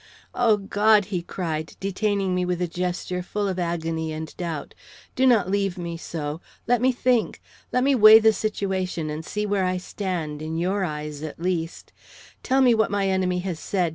"O God!" he cried, detaining me with a gesture full of agony and doubt. "Do not leave me so; let me think. Let me weigh the situation and see where I stand, in your eyes at least. Tell me what my enemy has said!"